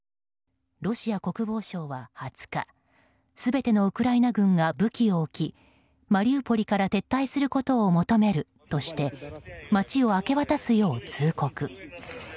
ロシア国防省は２０日全てのウクライナ軍が武器を置き、マリウポリから撤退することを求めるとして街を明け渡すよう通告。